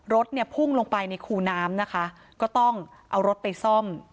รถเนี่ยพุ่งลงไปในคูน้ำนะคะก็ต้องเอารถไปซ่อม